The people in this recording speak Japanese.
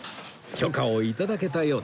許可をいただけたようです。